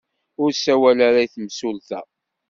Ur ssawal ara i yimsulta.